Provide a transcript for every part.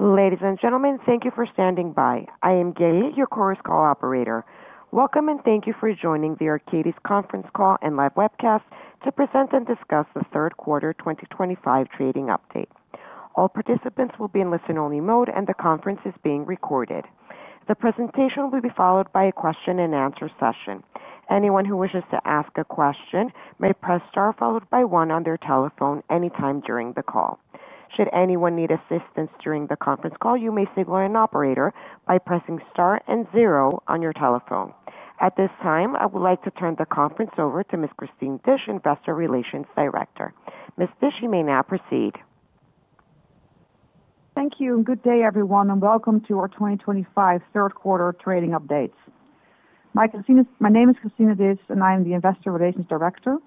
Ladies and gentlemen, thank you for standing by. I am Gail, your Chorus Call operator. Welcome and thank you for joining the Arcadis conference call and live webcast to present and discuss the third quarter 2025 trading update. All participants will be in listen only mode and the conference is being recorded. The presentation will be followed by a question and answer session. Anyone who wishes to ask a question may press star followed by one on their telephone anytime during the call. Should anyone need assistance during the conference call, you may signal an operator by pressing star and zero on your telephone. At this time, I would like to turn the conference over to Ms. Christine Disch, Investor Relations Director. Ms. Disch, you may now proceed. Thank you. Good day everyone and welcome to our 2025 third quarter trading updates. My name is Christina Disch and I am the Investor Relations Director.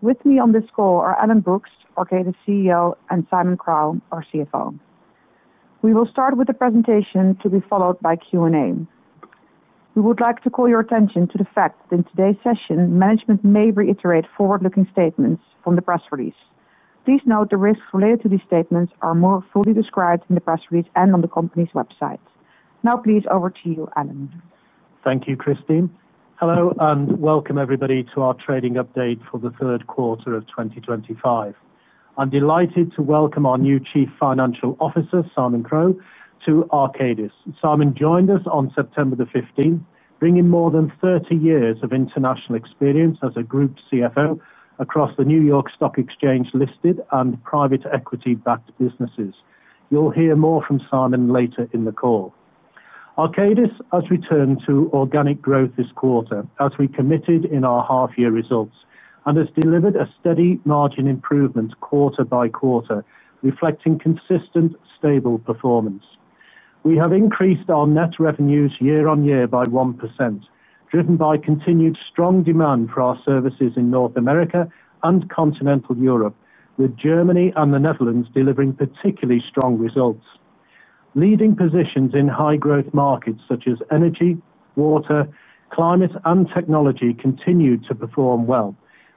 With me on this call are Alan Brookes, our CEO, and Simon Crowe, our CFO. We will start with the presentation to be followed by Q&A. We would like to call your attention to the fact that in today's session management may reiterate forward-looking statements from the press release. Please note the risks related to these statements are more fully described in the press release and on the company's website. Now please over to you, Alan. Thank you, Christine. Hello and welcome everybody to our trading update for the third quarter of 2025. I'm delighted to welcome our new Chief Financial Officer Simon Crowe to Arcadis. Simon joined us on September 15th, bringing more than 30 years of international experience as a Group CFO across the New York Stock Exchange listed and private equity backed businesses. You'll hear more from Simon later in the call. Arcadis has returned to organic growth this quarter as we committed in our half year results and has delivered a steady margin improvement quarter-by-quarter, reflecting consistent stable performance. We have increased our net revenues year-on-year by 1%, driven by continued strong demand for our services in North America and continental Europe, with Germany and the Netherlands delivering particularly strong results. Leading positions in high growth markets such as energy, water, climate, and technology continued to perform well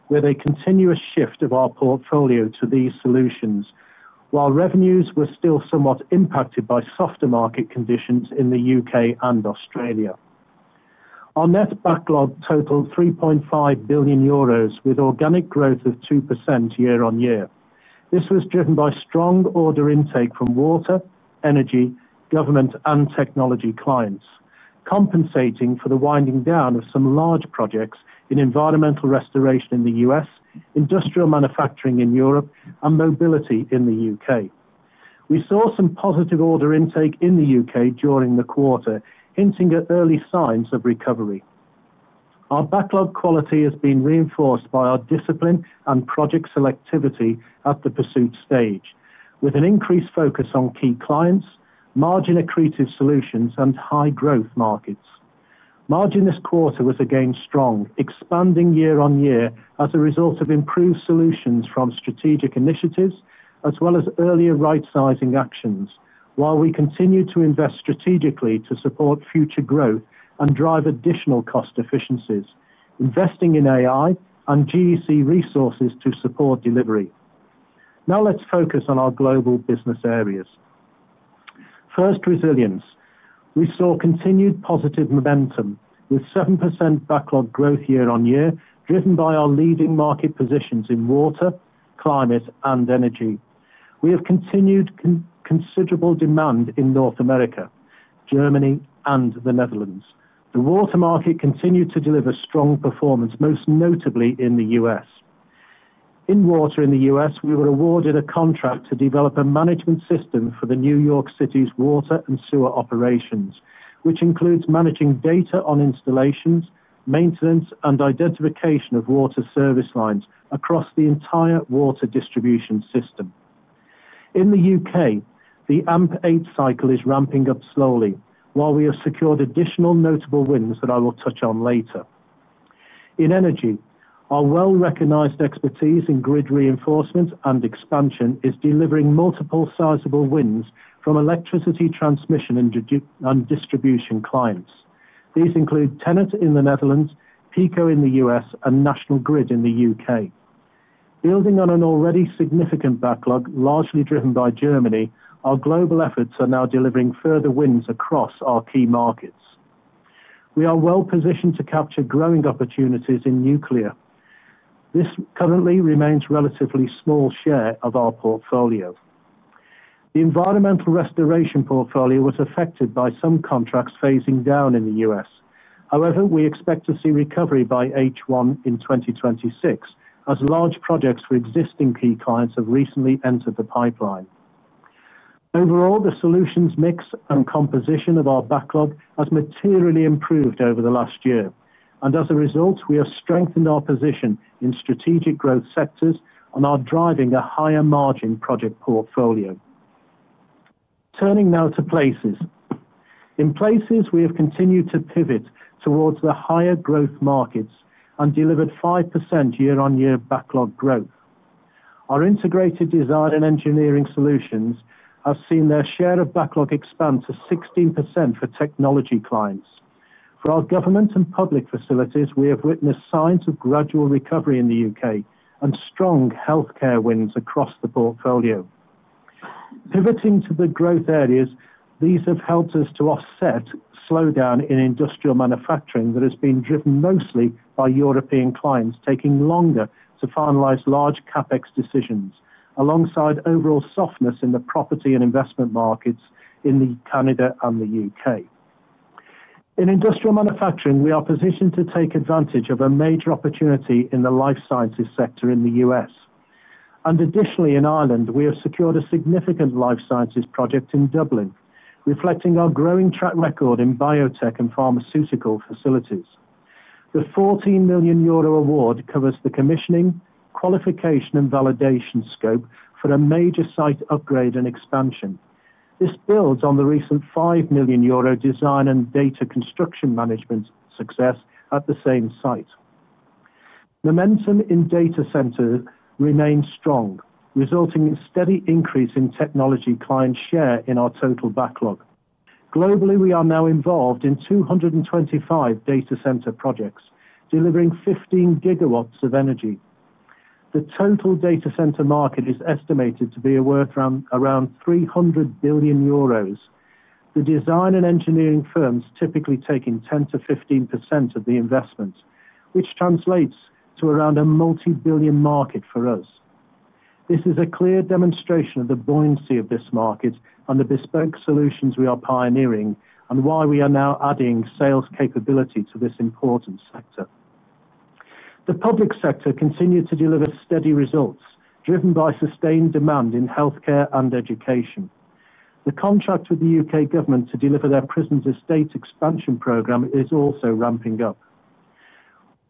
with a continuous shift of our portfolio to these solutions, while revenues were still somewhat impacted by softer market conditions in the U.K. and Australia. Our net backlog totaled 3.5 billion euros with organic growth of 2% year-on-year. This was driven by strong order intake from water, energy, government, and technology clients, compensating for the winding down of some large projects in environmental restoration in the U.S., industrial manufacturing in Europe, and mobility in the U.K. We saw some positive order intake in the U.K. during the quarter, hinting at early signs of recovery. Our backlog quality has been reinforced by our discipline and project selectivity at the pursuit stage, with an increased focus on key clients, margin accretive solutions, and high growth markets. Margin this quarter was again strong, expanding year-on-year as a result of improved solutions from strategic initiatives as well as earlier rightsizing actions. While we continue to invest strategically to support future growth and drive additional cost efficiencies, investing in AI and GEC resources to support delivery. Now let's focus on our global business areas. First, resilience. We saw continued positive momentum with 7% backlog growth year-on-year, driven by our leading market positions in water, climate, and energy. We have continued considerable demand in North America, Germany, and the Netherlands. The water market continued to deliver strong performance, most notably in the U.S. in water. In the U.S. we were awarded a contract to develop a management system for New York City's water and sewer operations, which includes managing data on installations, maintenance, and identification of water service lines across the entire water distribution system. In the U.K., the AMP8 cycle is ramping up slowly. While we have secured additional notable wins that I will touch on later in energy, our well-recognized expertise in grid reinforcement and expansion is delivering multiple sizable wins from electricity transmission and distribution clients. These include TenneT in the Netherlands, PECO in the U.S., and National Grid in the U.K. Building on an already significant backlog largely driven by Germany, our global efforts are now delivering further wins across our key markets. We are well positioned to capture growing opportunities in nuclear. This currently remains a relatively small share of our portfolio. The environmental restoration portfolio was affected by some contracts phasing down in the U.S. However, we expect to see recovery by H1 in 2026 as large projects for existing key clients have recently entered the pipeline. Overall, the solutions mix and composition of our backlog has materially improved over the last year, and as a result, we have strengthened our position in strategic growth sectors and are driving a higher margin project portfolio. Turning now to places, we have continued to pivot towards the higher growth markets and delivered 5% year-on-year backlog growth. Our integrated design and engineering solutions have seen their share of backlog expand to 16% for technology clients. For our government and public facilities, we have witnessed signs of gradual recovery in the U.K. and strong health care wins across the portfolio, pivoting to the growth areas. These have helped us to offset slowdown in industrial manufacturing that has been driven mostly by European clients taking longer to finalize large CapEx decisions alongside overall softness in the property and investment markets in Canada and the U.K. In industrial manufacturing, we are positioned to take advantage of a major opportunity in the life sciences sector in the U.S., and additionally in Ireland. We have secured a significant life sciences project in Dublin, reflecting our growing track record in biotech and pharmaceutical facilities. The 14 million euro award covers the commissioning, qualification, and validation scope for a major site upgrade and expansion. This builds on the recent 5 million euro design and data construction management success at the same site. Momentum in data center remains strong, resulting in a steady increase in technology client share in our total backlog. Globally, we are now involved in 225 data center projects delivering 15 GW of energy. The total data center market is estimated to be worth around 300 billion euros. The design and engineering firms typically take in 10%-15% of the investments, which translates to around a multibillion market. For us, this is a clear demonstration of the buoyancy of this market and the bespoke solutions we are pioneering and why we are now adding sales capability to this important sector. The public sector continued to deliver steady results, driven by sustained demand in health care and education. The contract with the U.K. government to deliver their prisons is stuck. Expansion program is also ramping up.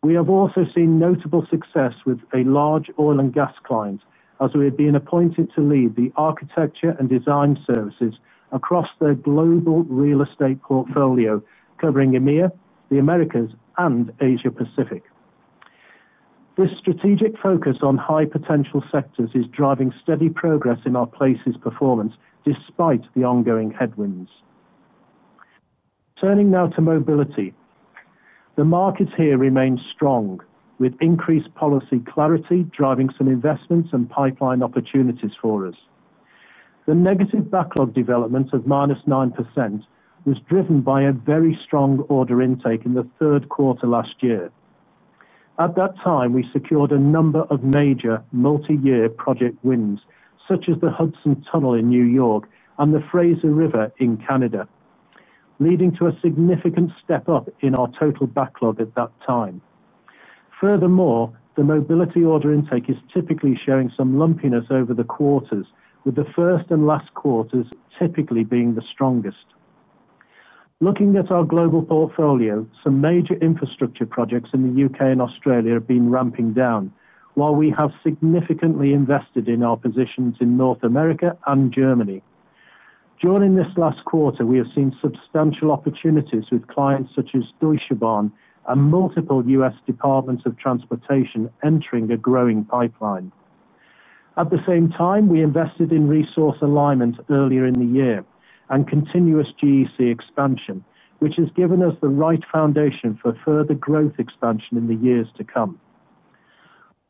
We have also seen notable success with a large oil and gas client, as we have been appointed to lead the architecture and design services across their global real estate portfolio covering EMEA, the Americas, and Asia Pacific. This strategic focus on high potential sectors is driving steady progress in our places performance despite the ongoing headwinds. Turning now to mobility, the market here remains strong with increased policy clarity driving some investments and pipeline opportunities for us. The negative backlog development of -9% was driven by a very strong order intake in the third quarter last year. At that time, we secured a number of major multi-year project work wins such as the Hudson Tunnel in New York City and the Fraser River in Canada, leading to a significant step up in our total backlog at that time. Furthermore, the mobility order intake is typically showing some lumpiness over the quarters, with the first and last quarters typically being the strongest. Looking at our global portfolio, some major infrastructure projects in the U.K. and Australia have been ramping down. While we have significantly invested in our positions in North America and Germany, during this last quarter we have seen substantial opportunities with clients such as Deutsche Bahn and multiple U.S. Departments of Transportation entering a growing pipeline. At the same time, we invested in resource alignment earlier in the year and continuous GECs expansion, which has given us the right foundation for further growth expansion in the years to come.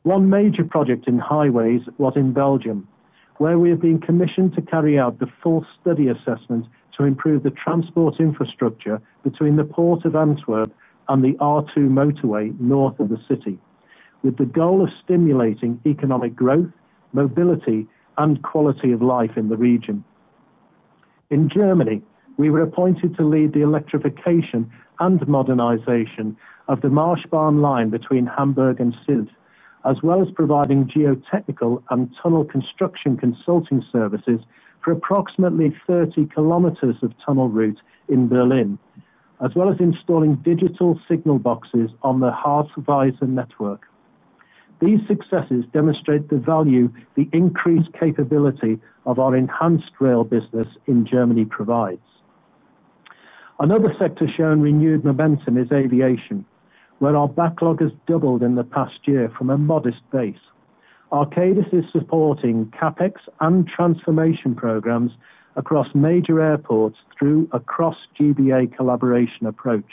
One major project in highways was in Belgium, where we have been commissioned to carry out the full study assessment to improve the transport infrastructure between the Port of Antwerp and the R2 motorway north of the city, with the goal of stimulating economic growth, mobility, and quality of life in the region. In Germany, we were appointed to lead the electrification and modernization of the Marschbahn line between Hamburg and Sylt, as well as providing geotechnical and tunnel construction consulting services for approximately 30 km of tunnel route in Berlin, and installing digital signal boxes on the Harz-Weser network. These successes demonstrate the value the increased capability of our enhanced rail business in Germany provides. Another sector showing renewed momentum is aviation, where our backlog has doubled in the past year from a modest base. Arcadis is supporting CapEx and transformation programs across major airports through a cross-GBA collaboration approach.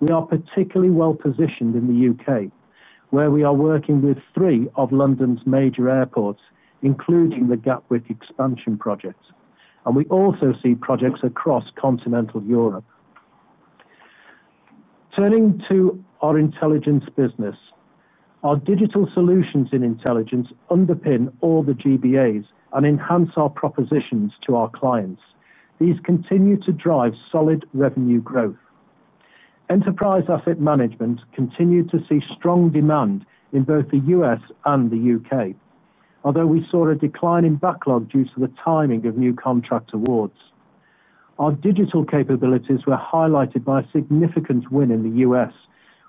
We are particularly well positioned in the U.K., where we are working with three of London's major airports, including the Gatwick expansion project, and we also see projects across continental Europe. Turning to our Intelligence business, our digital solutions in Intelligence underpin all the GBAs and enhance our propositions to our clients. These continue to drive solid revenue growth. Enterprise asset management continues to see strong demand in both the U.S. and the U.K., although we saw a decline in backlog due to the timing of new contract awards. Our digital capabilities were highlighted by a significant win in the U.S.,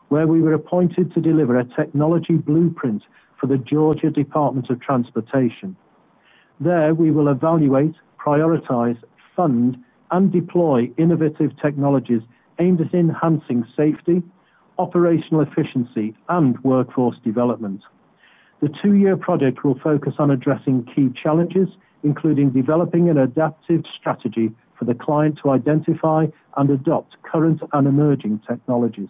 where we were appointed to deliver a technology blueprint for the Georgia Department of Transportation. There, we will evaluate, prioritize, fund, and deploy innovative technologies aimed at enhancing smart safety, operational efficiency, and workforce development. The two-year project will focus on addressing key challenges, including developing an adaptive strategy for the client to identify and adopt current and emerging technologies.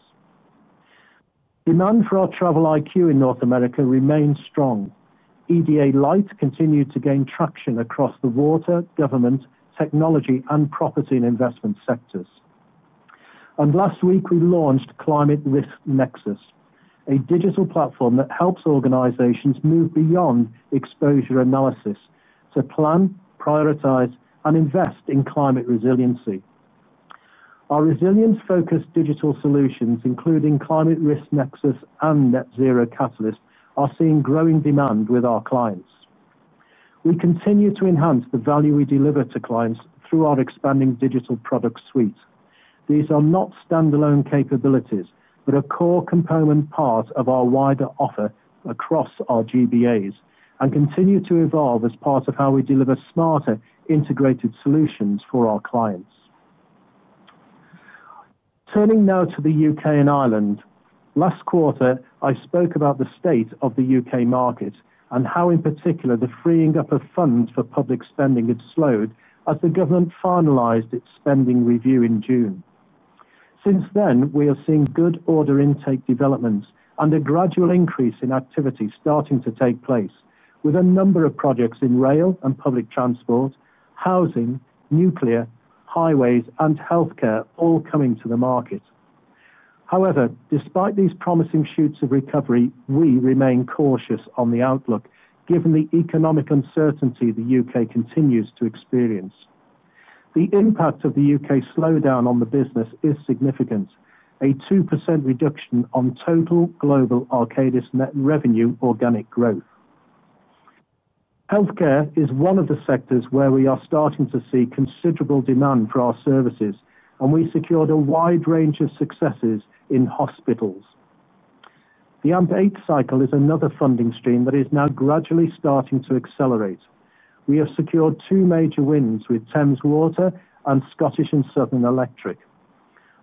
Demand for our Travel IQ in North America remains strong. EDA Light continued to gain traction across the water, government, technology, and property and investment sector. Last week, we launched Climate Risk Nexus, a digital platform that helps organizations move beyond exposure analysis to plan, prioritize, and invest in climate resiliency. Our resilience-focused digital solutions, including Climate Risk Nexus and Net Zero Catalyst, are seeing growing demand with our clients. We continue to enhance the value we deliver to clients through our expanding digital product suite. These are not standalone capabilities but a core component part of our wider offer across our GBAs and continue to evolve as part of how we deliver smarter, integrated solutions for our clients. Turning now to the U.K. and Ireland, last quarter I spoke about the state of the U.K. market and how, in particular, the freeing up of funds for public spending had slowed as the government finalized its spending review in June. Since then, we have seen good order intake developments and a gradual increase in activity starting to take place, with a number of projects in rail and public transport, housing, nuclear, highways, and healthcare all coming to the market. However, despite these promising shoots of recovery, we remain cautious on the outlook, given the economic uncertainty the U.K. continues to experience. The impact of the U.K. slowdown on the business is significant. A 2% reduction on total global Arcadis net revenue, organic growth. Healthcare is one of the sectors where we are starting to see considerable demand for our services, and we secured a wide range of successes in hospitals. The AMP8 cycle is another funding stream that is now gradually starting to accelerate. We have secured two major wins with Thames Water and Scottish and Southern Electric.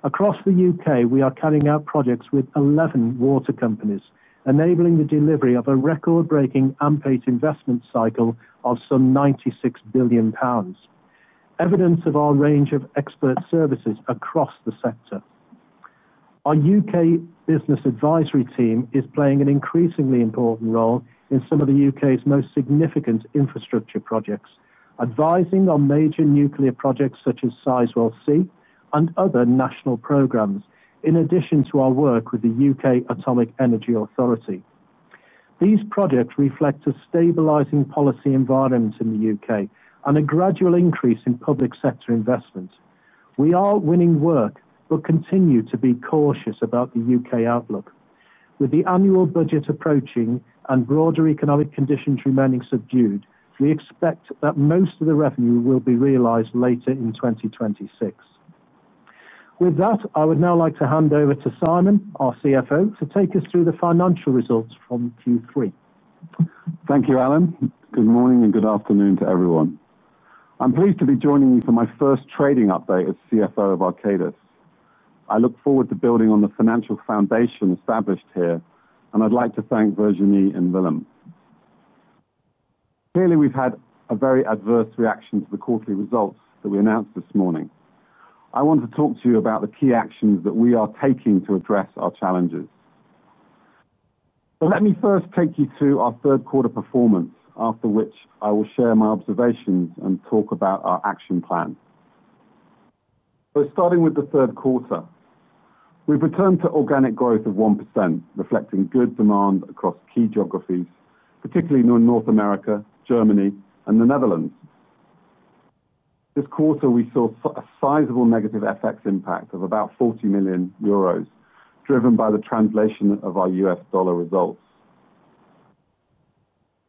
Across the U.K., we are carrying out projects with 11 water companies, enabling the delivery of a record-breaking AMP8 investment cycle of some 96 billion pounds, evidence of our range of expert services across the sector. Our U.K. Business Advisory team is playing an increasingly important role in some of the U.K.'s most significant infrastructure projects, advising on major nuclear projects such as Sizewell C and other national programs. In addition to our work with the U.K. Atomic Energy Authority, these projects reflect a stabilizing policy environment in the U.K. and a gradual increase in public sector investment. We are winning work but continue to be cautious about the U.K. outlook. With the annual budget approaching and broader economic conditions remaining subdued, we expect that most of the revenue will be realized later in 2026. With that, I would now like to hand over to Simon, our CFO, to take us through the financial results from Q3. Thank you, Alan. Good morning and good afternoon to everyone. I'm pleased to be joining you for my first trading update as CFO of Arcadis. I look forward to building on the financial foundation established here, and I'd like to thank Virginie and Willem. Clearly, we've had a very adverse reaction to the quarterly results that we announced this morning. I want to talk to you about the key actions that we are taking to address our challenges. Let me first take you to our. Third quarter performance, after which I will share my observations and talk about our action plan. Starting with the third quarter, we've returned to organic growth of 1%, reflecting good demand across key geographies, particularly in North America, Germany, and the Netherlands. This quarter we saw a sizable negative FX impact of about 40 million euros, driven by the translation of our U.S. dollar results.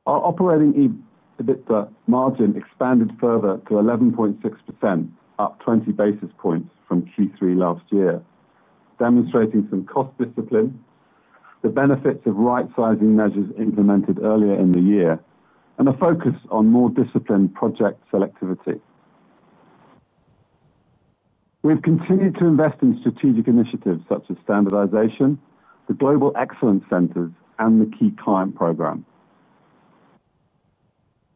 Our operating EBITDA margin expanded further to 11.6%, up 20 basis points from Q3 last year, demonstrating some cost discipline, the benefits of rightsizing measures implemented earlier in the year, and a focus on more disciplined project selectivity. We have continued to invest in strategic initiatives such as standardization, the Global Excellence Centers, and the key client program.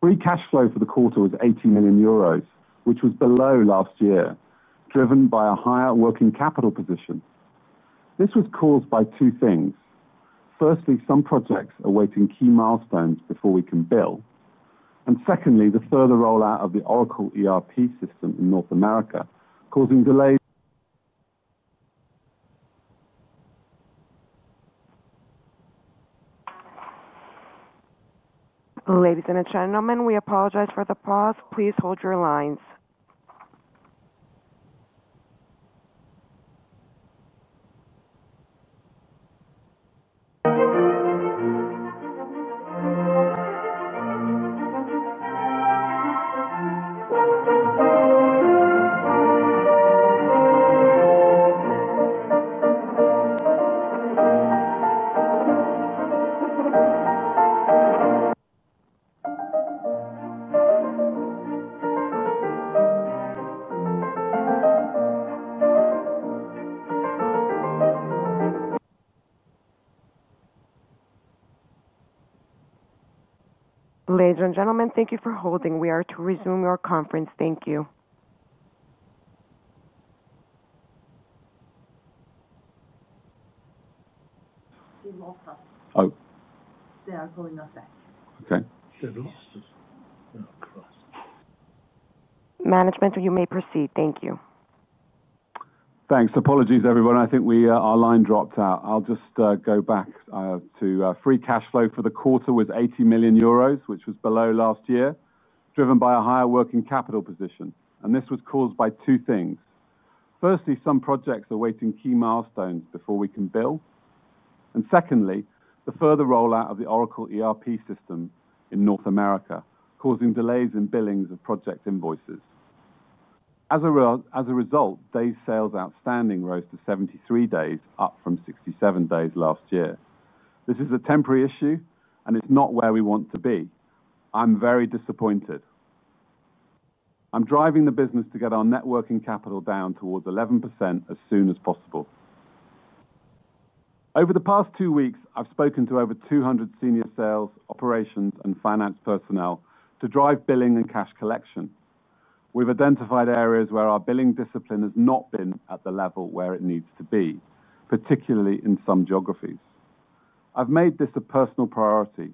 Free cash flow for the quarter was EUR 80 million, which was below last year, driven by a higher working capital position. This was caused by two things. Firstly, some projects awaiting key milestones before we can bill, and secondly, the further rollout of the Oracle ERP system in North America causing delays. Ladies and gentlemen, we apologize for the pause. Please hold your lines. Ladies and gentlemen, thank you for holding. We are to resume your conference. Thank you. Management, you may proceed. Thank you. Thanks. Apologies everyone. Our line dropped out. I'll just go back to free cash flow for the quarter was 80 million euros, which was below last year, driven by a higher working capital position. This was caused by two things. Firstly, some projects awaiting key milestones before we can bill. Secondly, the further rollout of the Oracle ERP system in North America causing delays in billings of project invoices. As a result, days sales outstanding rose to 73 days, up from 67 days last year. This is a temporary issue and it's not where we want to be. I'm very disappointed. I'm driving the business to get our net working capital down towards 11% as soon as possible. Over the past two weeks, I've spoken to over 200 senior sales, operations, and finance personnel to drive billing and cash collection. We've identified areas where our billing discipline has not been at the level where it needs to be, particularly in some geographies. I've made this a personal priority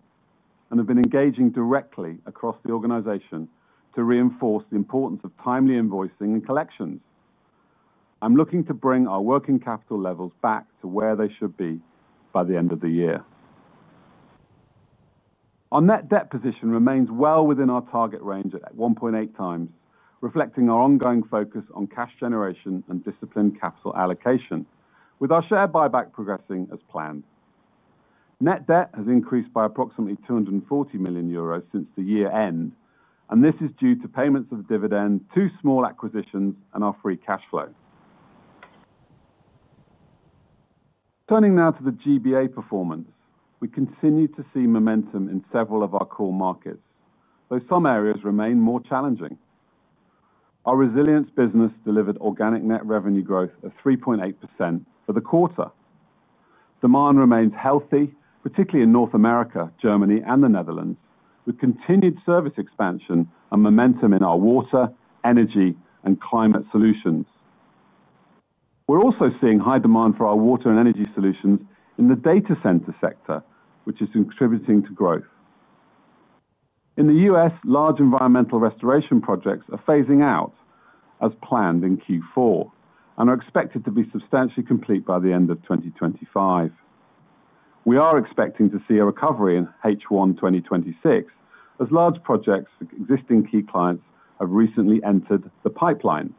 and have been engaging directly across the organization to reinforce the importance of timely invoicing and collections. I'm looking to bring our working capital levels back to where they should be by the end of the year. Our net debt position remains well within our target range at 1.8x, reflecting our ongoing focus on cash generation and disciplined capital allocation. With our share buyback progressing as planned, net debt has increased by approximately 240 million euros since the year end and this is due to payments of dividend, two small acquisitions, and our free cash flow. Turning now to the GBA performance, we continue to see momentum in several of our core markets, though some areas remain more challenging. Our Resilience business delivered organic net revenue growth of 3.8% for the quarter. Demand remains healthy, particularly in North America, Germany, and the Netherlands, with continued service expansion and momentum in our water, energy, and climate solutions. We're also seeing high demand for our water and energy solutions in the data center sector, which is contributing to growth in the U.S. Large environmental restoration projects are phasing out as planned in Q4 and are expected to be substantially complete by the end of 2025. We are expecting to see a recovery in H1 2026 as large projects existing key clients have recently entered the pipeline.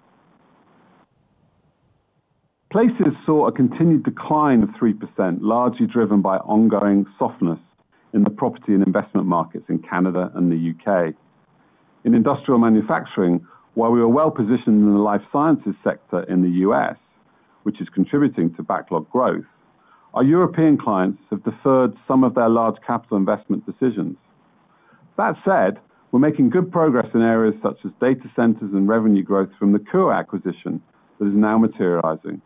Places saw a continued decline of 3%, largely driven by ongoing softness in the property and investment markets in Canada and the U.K. in Industrial Manufacturing. While we were well positioned in the life sciences sector in the U.S., which is contributing to backlog growth, our European clients have deferred some of their large capital investment decisions. That said, we're making good progress in areas such as data centers and revenue growth from the KUA acquisition that is now materializing.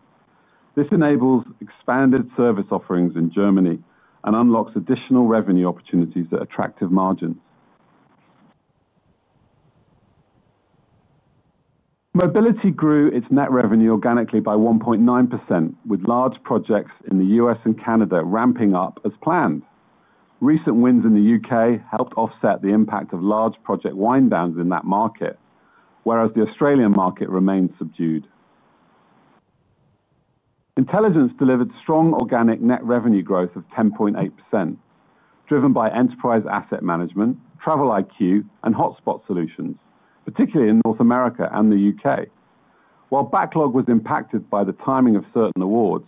This enables expanded service offerings in Germany and unlocks additional revenue opportunities at attractive margins. Mobility grew its net revenue organically by 1.9%, with large projects in the U.S. and Canada ramping up as planned. Recent wins in the U.K. helped offset the impact of large project wind downs in that market, whereas the Australian market remained subdued. Intelligence delivered strong organic net revenue growth of 10.8% driven by enterprise asset management, TraveliQ, and Hotspot solutions, particularly in North America and the U.K. While backlog was impacted by the timing of certain awards,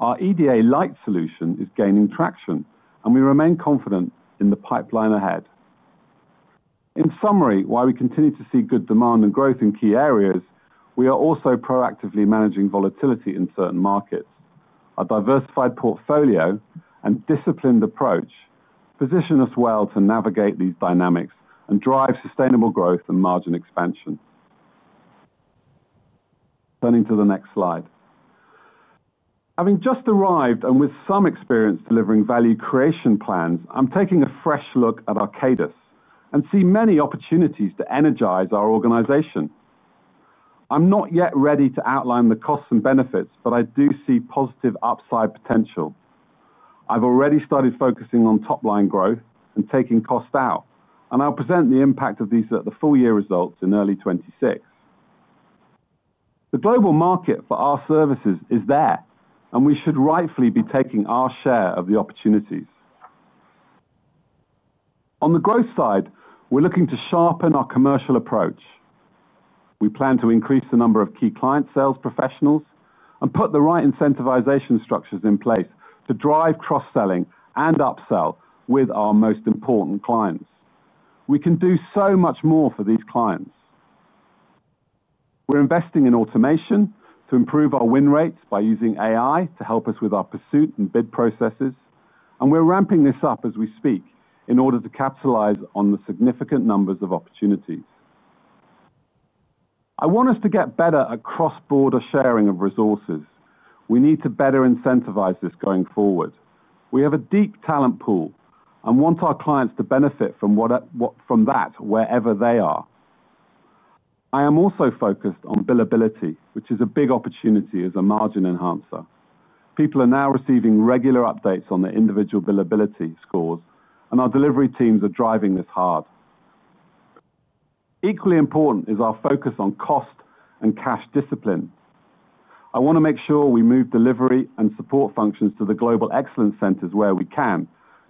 our EDA Light solution is gaining traction and we remain confident in the pipeline ahead. In summary, while we continue to see good demand and growth in key areas, we are also proactively managing volatility in certain markets. A diversified portfolio and disciplined approach position us well to navigate these dynamics and drive sustainable growth and margin expansion. Turning to the next slide, having just arrived and with some experience delivering value creation plans, I'm taking a fresh look at Arcadis and see many opportunities to energize our organization. I'm not yet ready to outline the costs and benefits, but I do see positive upside potential. I've already started focusing on top line growth and taking cost out, and I'll present the impact of these full year results in early 2026. The global market for our services is there and we should rightfully be taking our share of the opportunities. On the growth side, we're looking to sharpen our commercial approach. We plan to increase the number of key client sales professionals and put the right incentivization structures in place to drive cross selling and upsell with our most important clients. We can do so much more for these clients. We're investing in automation to improve our win rates by using AI to help us with our pursuit and bid processes, and we're ramping this up as we speak in order to capitalize on the significant numbers of opportunities. I want us to get better at cross-border sharing of resources. We need to better incentivize this going forward. We have a deep talent pool and want our clients to benefit from that wherever they are. I am also focused on billability, which is a big opportunity as a margin enhancer. People are now receiving regular updates on their individual billability scores, and our delivery teams are driving this hard. Equally important is our focus on cost and cash discipline. I want to make sure we move delivery and support functions to the Global Excellence Centers where we can,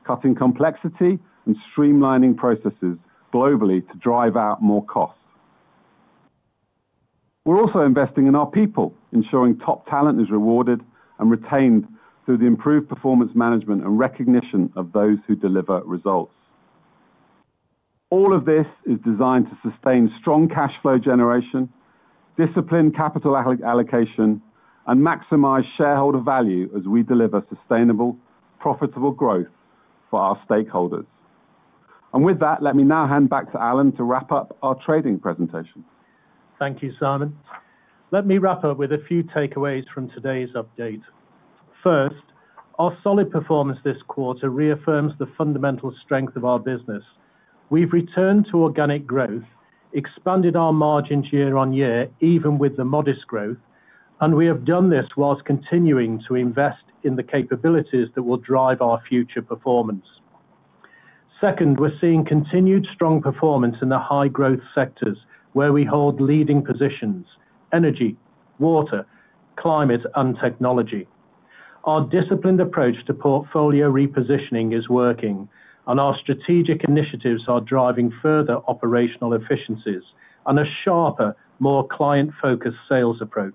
cutting complexity and streamlining processes globally to drive out more costs. We're also investing in our people, ensuring top talent is rewarded and retained through the improved performance, management, and recognition of those who deliver results. All of this is designed to sustain strong cash flow generation, disciplined capital allocation, and maximize shareholder value as we deliver sustainable, profitable growth for our stakeholders. With that, let me now hand back to Alan to wrap up our trading presentation. Thank you, Simon. Let me wrap up with a few takeaways from today's update. First, our solid performance this quarter reaffirms the fundamental strength of our business. We've returned to organic growth, expanded our margins year on year, even with the modest growth, and we have done this whilst continuing to invest in the capabilities that will drive our future performance. Second, we're seeing continued strong performance in the high growth sectors where we hold leading positions: energy, water, climate, and technology. Our disciplined approach to portfolio repositioning is working, and our strategic initiatives are driving further operational efficiencies and a sharper, more client-focused sales approach.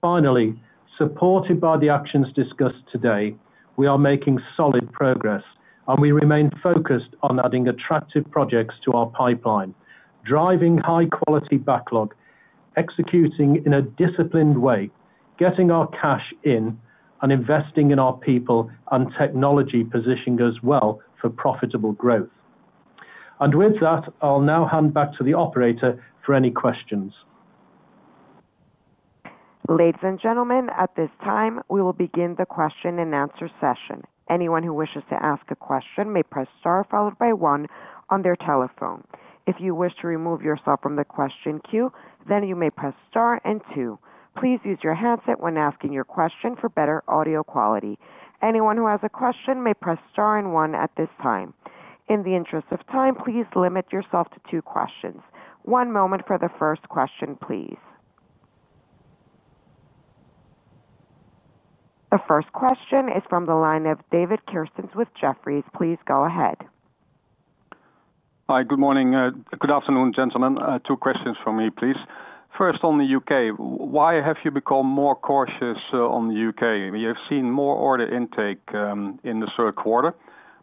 Finally, supported by the actions discussed today, we are making solid progress and we remain focused on adding attractive projects to our pipeline, driving high quality backlog, executing in a disciplined way, getting our cash in, and investing in our people and technology, positioning us well for profitable growth. I'll now hand back to the operator for any questions. Ladies and gentlemen, at this time we will begin the question and answer session. Anyone who wishes to ask a question may press star followed by one on their telephone. If you wish to remove yourself from the question queue, you may press star and two. Please use your handset when asking your question for better audio quality. Anyone who has a question may press star and one at this time. In the interest of time, please limit yourself to two questions. One moment for the first question, please. The first question is from the line of David Kerstens with Jefferies. Please go ahead. Good morning. Good afternoon, gentlemen. Two questions for me, please. First, on the U.K., why have you become more cautious on the U.K.? We have seen more order intake in the third quarter,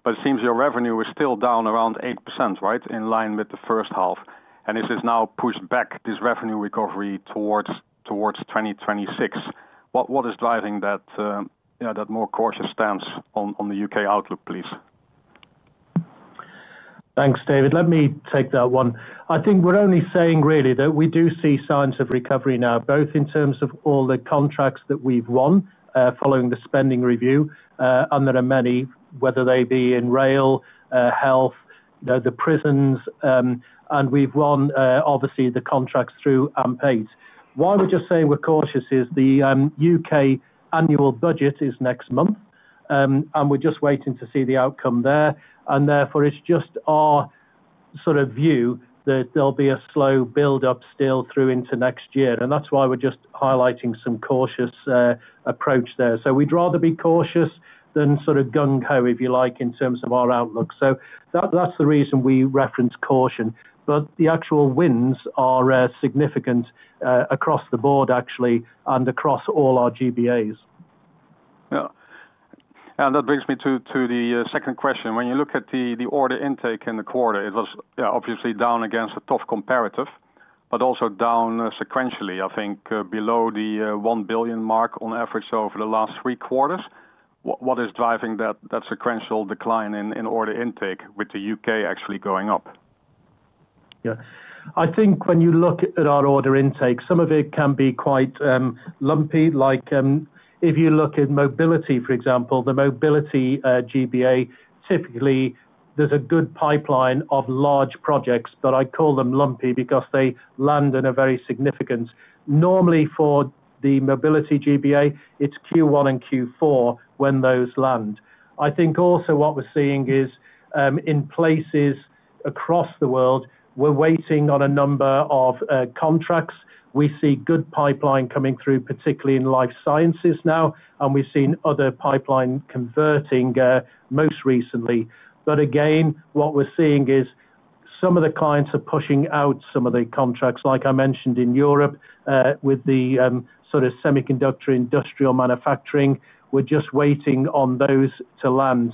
but it seems your revenue is still down around 8%, right in line with the first half. This has now pushed back this revenue recovery towards 2026. What is driving that more cautious stance on the U.K. outlook, please? Thanks, David. Let me take that one. I think we're only saying really that we do see signs of recovery now, both in terms of all the contracts that we've won following the spending review, and there are many, whether they be in rail, health, the prisons, and we've won obviously the contracts through AMP8. We're just saying we're cautious as the UK annual budget is next month and we're just waiting to see the outcome there. Therefore, it's just our sort of view that there'll be a slow build up still through into next year, and that's why we're just highlighting some cautious approach there. We'd rather be cautious than sort of gung ho, if you like, in terms of our outlook. That's the reason we reference caution. The actual wins are significant across the board, actually, and across all our GBAs. That brings me to the second question. When you look at the order intake in the quarter, it was obviously down against a tough comparative, but also down sequentially, I think, below the $1 billion mark on average over the last three quarters. What is driving that sequential decline in order intake with the U.K. actually going up? I think when you look at our order intake, some of it can be quite lumpy. Like if you look at mobility, for example, the Mobility GBA, typically there's a good pipeline of large projects, but I call them lumpy because they land in a very significant way. Normally for the Mobility GBA, it's Q1 and Q4 when those land. I think also what we're seeing is in places across the world, we're waiting on a number of contracts. We see good pipeline coming through, particularly in life sciences now, and we've seen other pipeline converting most recently. What we're seeing is some of the clients are pushing out some of the contracts, like I mentioned, in Europe, with the sort of semiconductor industrial manufacturing, we're just waiting on those to land.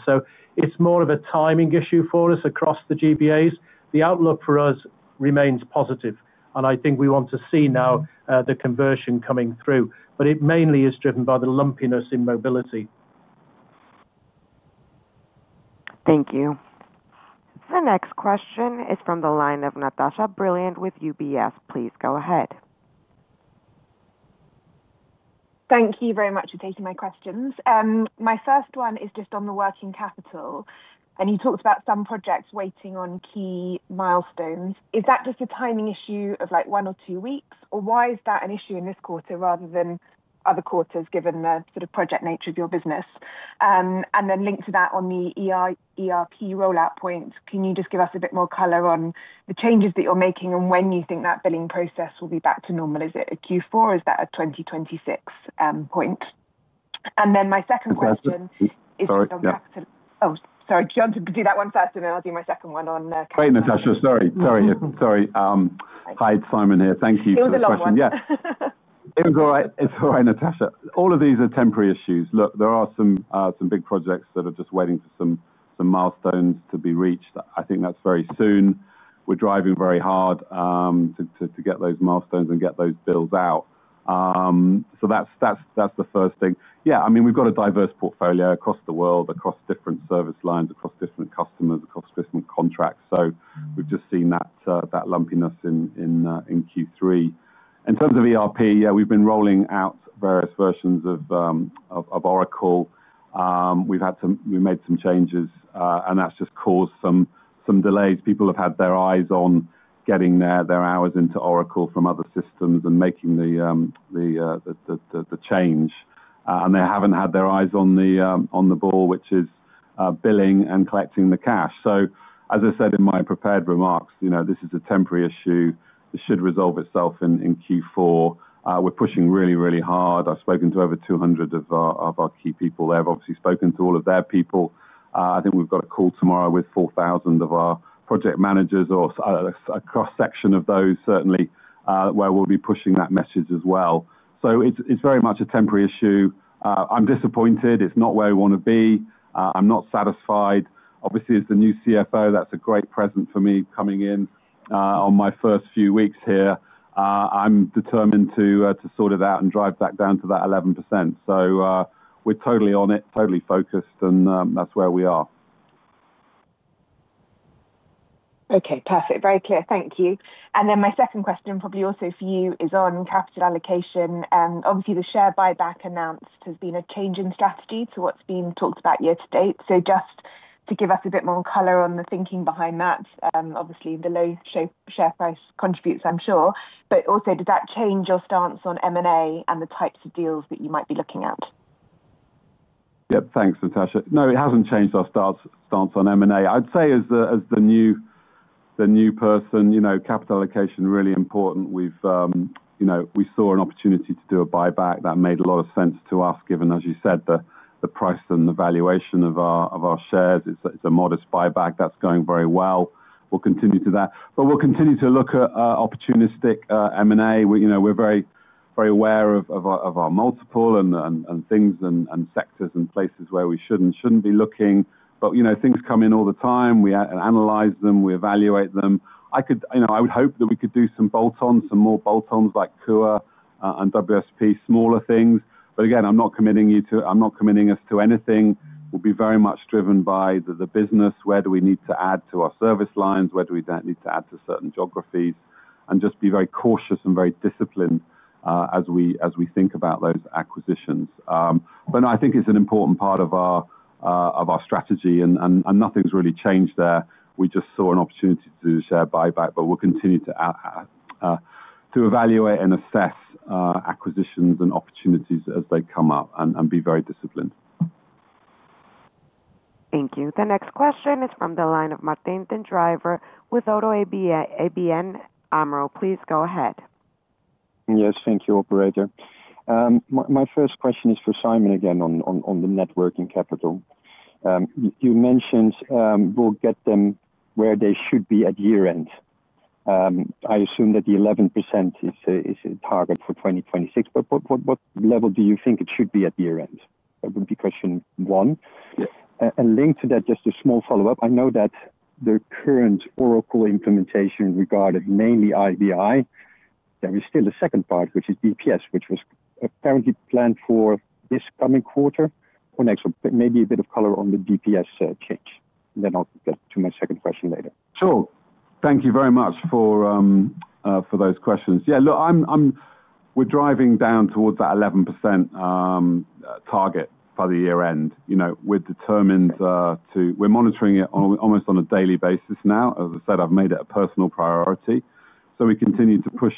It's more of a timing issue for us. Across the GBAs, the outlook for us remains positive and I think we want to see now the conversion coming through, but it mainly is driven by the lumpiness in mobility. Thank you. The next question is from the line of Natasha Brilliant with UBS, please go ahead. Thank you very much for taking my questions. My first one is just on the working capital and you talked about some projects waiting on key milestones. Is that just a timing issue of like, one or two weeks, or why is that an issue in this quarter rather than other quarters, given the sort of project nature of your business? Linked to that on the ERP rollout point, can you just give us a bit more color on the changes that you're making? When you think that billing process will be back to normal, is it a Q4 or is that a 2026 point? My second question is, oh, sorry, do you want to do that one first? Then I'll do my second one. Hi, Natasha. Hi, Simon here. Thank you for this question. Yeah, it was all right. It's all right, Natasha. All of these are temporary issues. Look, there are some big projects that are just waiting for some milestones to be reached. I think that's very soon. We're driving very hard to get those milestones and get those builds out. That's the first thing. I mean, we've got a diverse portfolio across the world, across different service lines, across different customers, across different contracts. We've just seen that lumpiness in Q3 in terms of ERP. We've been rolling out various versions of Oracle. We made some changes and that's just caused some delays. People have had their eyes on getting their hours into Oracle from other systems and making the change, and they haven't had their eyes on the ball, which is billing and collecting the cash. As I said in my prepared remarks, this is a temporary issue. It should resolve itself in Q4. We're pushing really, really hard. I've spoken to over 200 of our key people. They've obviously spoken to all of their people. I think we've got a call tomorrow with 4,000 of our project managers, or a cross section of those, certainly where we'll be pushing that message as well. It's very much a temporary issue. I'm disappointed it's not where we want to be. I'm not satisfied. Obviously, as the new CFO, that's a great present for me, coming in on my first few weeks here. I'm determined to sort it out and drive that down to that 11%. We're totally on it, totally focused on. That's where we are. Okay, perfect. Very clear. Thank you. My second question, probably also for you, is on capital allocation. Obviously, the share buyback announced has been a change in strategy to what's been talked about year to date. Just to give us a bit more color on the thinking behind that. Obviously, the low share price contributes, I'm sure. Also, does that change your stance on M&A and the types of deals that you might be looking at? Yep. Thanks, Natasha. No, it hasn't changed our stance on M&A. I'd say as the new person, you know, capital allocation is really important. We saw an opportunity to do a buyback that made a lot of sense to us given, as you said, the price and the valuation of our shares. It's a modest buyback that's going very well. We'll continue to do that, but we'll continue to look at opportunistic opportunities. You know, we're very, very aware of our multiple and things and sectors and places where we should and shouldn't be looking. Things come in all the time. We analyze them, we evaluate them. I would hope that we could do some bolt-on, some more bolt-ons like KUA and WSP, smaller things, but again, I'm not committing us to anything. It will be very much driven by the business. Where do we need to add to our service lines? Where do we need to add to certain geographies? We'll just be very cautious and very disciplined as we think about those acquisitions. I think it's an important part of our strategy and nothing's really changed there. We just saw an opportunity to do a share buyback. We'll continue to evaluate and assess acquisitions and opportunities as they come up and be very disciplined. Thank you. The next question is from the line of Martijn den Drijver with ODDO ABN AMRO. Please go ahead. Yes, thank you operator. My first question is for Simon again on the net working capital you mentioned. We'll get them where they should be at year end. I assume that the 11% is a target for 2026, but what level do you think it should be at year end? That would be question one and linked to that. Just a small follow up. I know that the current Oracle implementation regarded mainly IBI. There is still a second part which is DPS, which was apparently planned for this coming quarter or next. Maybe a bit of color on the DPS change, then I'll get to my second question later. Sure. Thank you very much for those questions. Yeah, look, I'm driving down towards that 11% target by the year end. You know, we're determined to, we're monitoring it almost on a daily basis now. As I said, I've made it a personal priority. We continue to push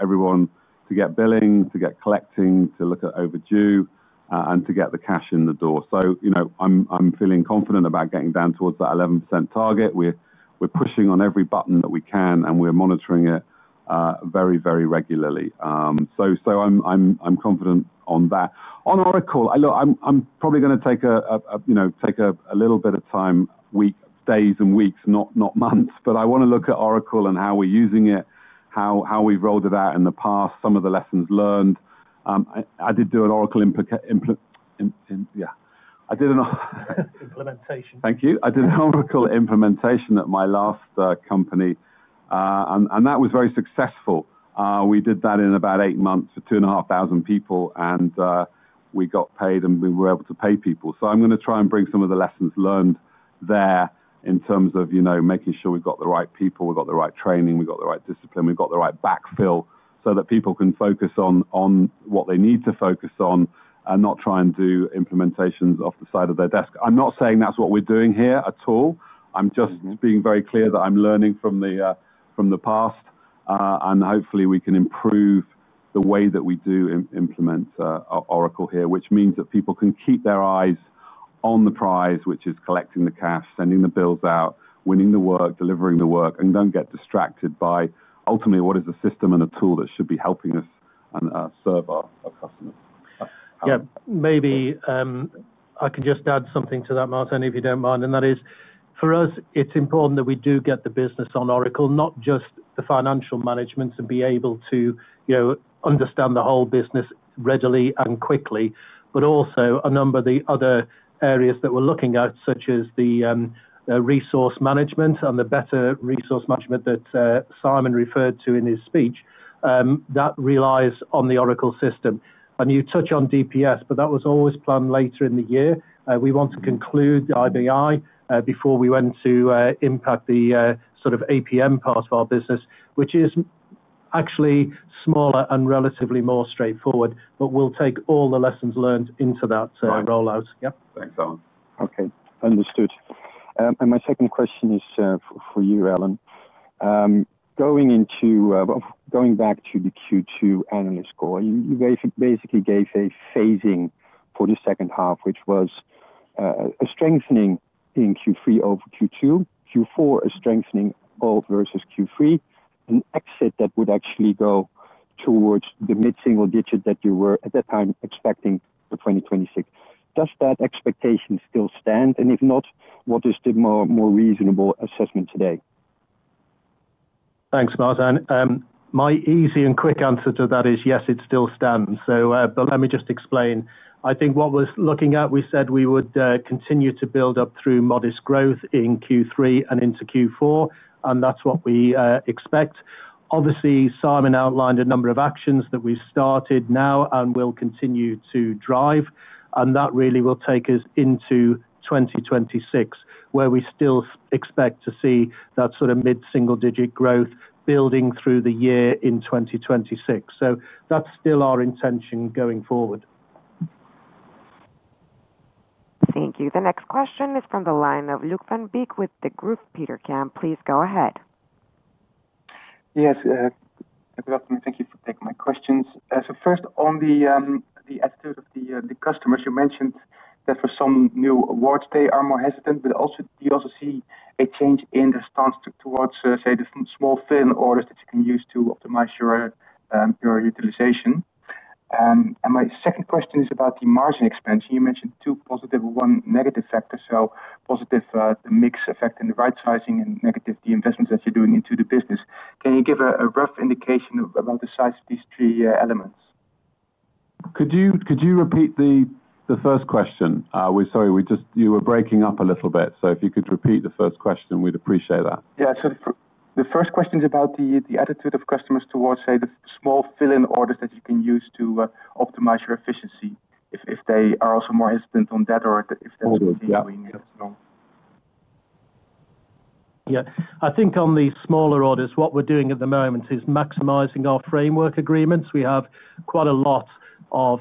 everyone to get billing, to get collecting, to look at overdue and to get the cash in the door. You know, I'm feeling confident about getting down towards that 11% target. We're pushing on every button that we can and we're monitoring it very, very regularly. I'm confident on that. On Oracle, I'm probably going to take a little bit of time, days and weeks, not months, but I want to look at Oracle and how we're using it, how we've rolled it out in the past, some of the lessons learned. I did do an Oracle. I did an implementation. Thank you. I did an Oracle implementation at my last company and that was very successful. We did that in about eight months for 2,500 people and we got paid and we were able to pay people. I'm going to try and bring some of the lessons learned there in terms of making sure we've got the right people, we've got the right training, we've got the right discipline, we've got the right backfill so that people can focus on what they need to focus on and not try and do implementations off the side of their desk. I'm not saying that's what we're doing here at all. I'm just being very clear that I'm learning from the past and hopefully we can improve the way that we do implement Oracle here, which means that people can keep their eyes on the prize, which is collecting the cash, sending the bills out, winning the work, delivering the work, and don't get distracted by ultimately what is the system and a tool that should be helping us and serve our customers. Yeah, maybe I can just add something to that, Martijn, if you don't mind. For us, it's important that we do get the business on Oracle. Not just the financial management, to be able to understand the whole business readily and quickly, but also a number of the other areas that we're looking at, such as the resource management and the better resource management that Simon referred to in his speech that relies on the Oracle system. You touch on DPS, but that was always planned later in the year. We want to conclude IBI before we went to impact the sort of APM part of our business, which is actually smaller and relatively more straightforward. We'll take all the lessons learned into that rollout. Thanks, Alan. Okay, understood. My second question is for you, Alan, going back to the Q2 analyst score, you basically gave a phasing for the second half which was a strengthening in Q3 over Q2, Q4 a strengthening vs Q3, an exit that would actually go towards the mid single digit that you were at that time expecting for 2026. Does that expectation still stand, and if not, what is the more reasonable assessment today? Thanks, Martijn. My easy and quick answer to that is yes, it still stands. Let me just explain. I think what we're looking at, we said we would continue to build up through modest growth in Q3 and into Q4 and that's what we expect. Obviously, Simon outlined a number of actions that we started now and will continue to drive and that really will take us into 2026 where we still expect to see that sort of mid single digit growth building through the year in 2026. That's still our intention going forward. Thank you. The next question is from the line of Luuk Van Beek with Degroof Petercam. Please go ahead. Yes, good afternoon. Thank you for taking my questions. First, on the attitude of the customers. You mentioned that for some new awards they are more hesitant, but do you also see a change in the stance towards, say, the small thin orders that you can use to optimize your utilization? My second question is about the margin expansion. You mentioned two positive, one negative factors. Positive are the mix effect and the right sizing, and negative are the investments that you're doing into the business. Can you give a rough indication about the size of these three elements? Could you repeat the first question? Sorry, you were breaking up a little bit, so if you could repeat the first question, we'd appreciate that. The first question is about the attitude of customers towards, say, the small fill-in orders that you can use to optimize your efficiency, if they are also more hesitant on that order. I think on these smaller orders what we're doing at the moment is maximizing our framework agreements. We have quite a lot of,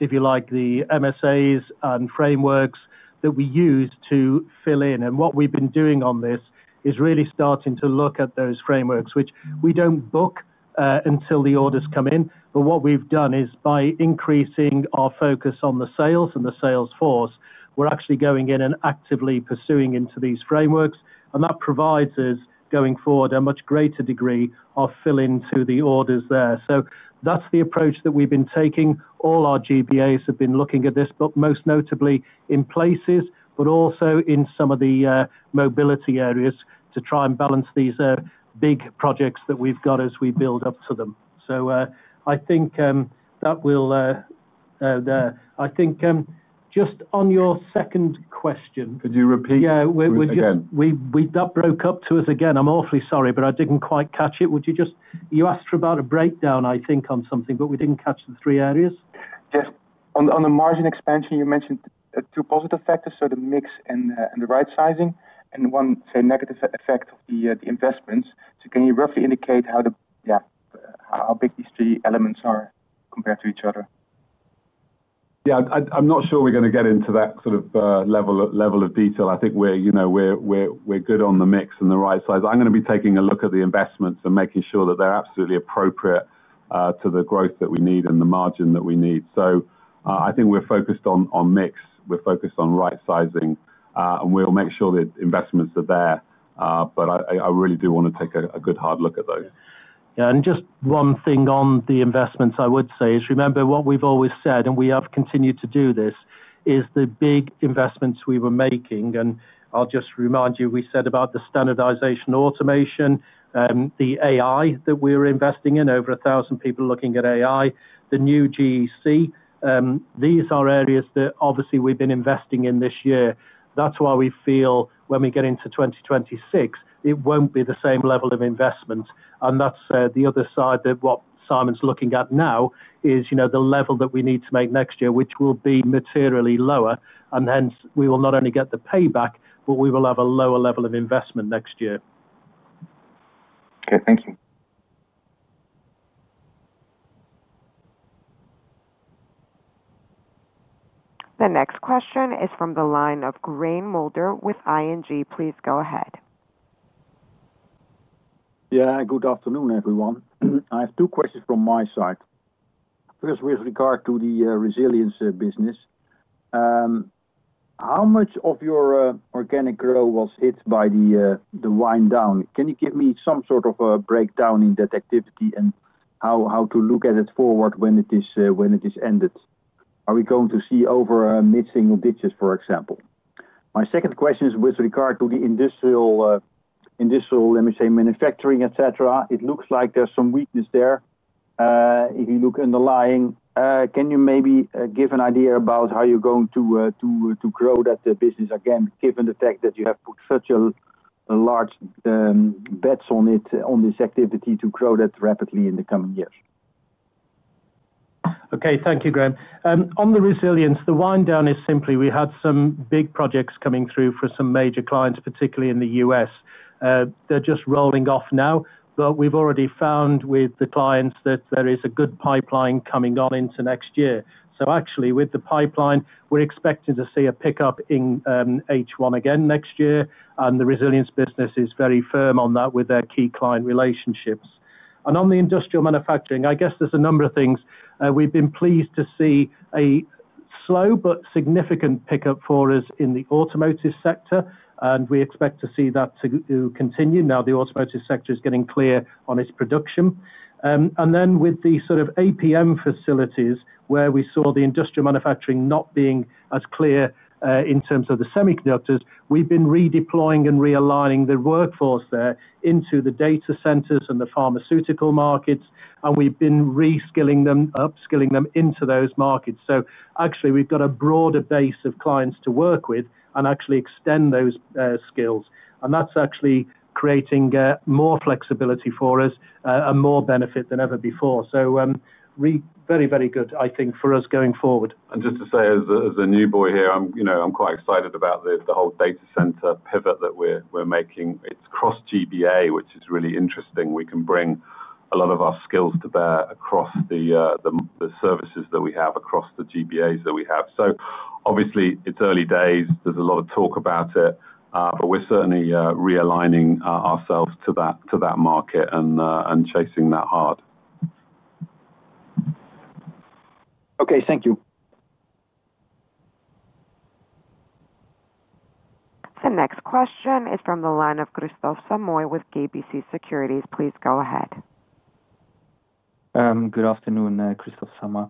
if you like, the MSAs and frameworks that we use to fill in, and what we've been doing on this is really starting to look at those frameworks which we don't book until the orders come in. What we've done is by increasing our focus on the sales and the sales force, we're actually going in and actively pursuing into these frameworks, and that provides us going forward a much greater degree of fill into the orders there. That's the approach that we've been taking. All our GBAs have been looking at this, most notably in places, but also in some of the mobility areas to try and balance these big projects that we've got as we build up to them. I think just on your second question, could you repeat again that broke up to us again? I'm awfully sorry, but I didn't quite catch it. Would you just—you asked for about a breakdown I think on something, but we didn't catch the three areas. On the margin expansion, you mentioned two positive factors, the mix and the right sizing, and one negative effect of the investments. Can you roughly indicate how big these three elements are compared to each other? I'm not sure we're going to get into that sort of level of detail. I think we're good on the mix and the right size. I'm going to be taking a look at the investments and making sure that they're absolutely appropriate to the growth that we need and the margin that we need. I think we're focused on mix, we're focused on right sizing, and we'll make sure that investments are there. I really do want to take a good hard look at those. Just one thing on the investments I would say is remember what we've always said and we have continued to do. These are the big investments we were making. I'll just remind you, we said about the standardization, automation, the AI that we were investing in. Over 1,000 people looking at AI, the new GEC, these are areas that obviously we've been investing in this year. That's why we feel when we get into 2026, it won't be the same level of investment. The other side that what Simon's looking at now is the level that we need to make next year, which will be materially lower and hence we will not only get the payback, but we will have a lower level of investment next year. Okay, thank you. The next question is from the line of Quirijn Mulder with ING. Please go ahead. Yeah. Good afternoon everyone. I have two questions from my side. First, with regard to the Resiliency Business, how much of your organic growth was hit by the wind down? Can you give me some sort of a breakdown in that activity and how to look at it forward when it is ended? Are we going to see over mid-single-digits, for example? My second question is with regard to the Industrial, let me say manufacturing, etc. It looks like there's some weakness there. If you look underlying, can you maybe give an idea about how you're going to grow that business again, given the fact that you have put such large bets on it, on this activity to grow that rapidly in the coming years? Okay, thank you, Quirijn. On the Resilience, the wind down is simply. We had some big projects coming through for some major clients, particularly in the U.S. They're just rolling off now, but we've already found with the clients that there is a good pipeline coming on into next year. With the pipeline, we're expecting to see a pickup in H1 again next year. The resilience business is very firm on that with their key client relationships. On the industrial manufacturing, I guess there's a number of things. We've been pleased to see a slow but significant pickup for us in the automotive sector and we expect to see that continue. Now the automotive sector is getting clear on its production and then with the sort of APM facilities where we saw the industrial manufacturing not being as clear in terms of the semiconductors, we've been redeploying and realigning the workforce there into the data centers and the pharmaceutical markets and we've been reskilling them, upskilling them into those markets. We've got a broader base of clients to work with and actually extend those skills and that's actually creating more flexibility for us and more benefit than ever before. Very, very good, I think for us going forward. As a new boy here, I'm quite excited about the whole data center pivot that we're making. It's cross GBA, which is really interesting. We can bring a lot of our skills to bear across the services that we have, across the GBAs that we have. Obviously, it's early days, there's a lot of talk about it, but we're certainly realigning ourselves to that market and chasing that hard. Okay, thank you. The next question is from the line of Kristof Samoy with KBC Securities. Please go ahead. Good afternoon, Kristof Samoy,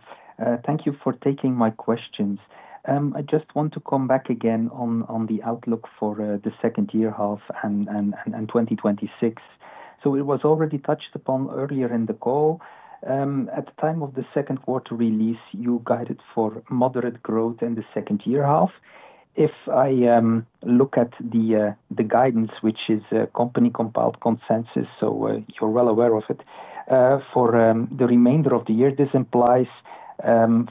thank you for taking my questions. I just want to come back again on the outlook for the second half and 2026. It was already touched upon earlier in the call at the time of the second quarter release. You guided for moderate growth in the second half. If I look at the guidance, which is company compiled consensus, so you're well aware of it for the remainder of the year. This implies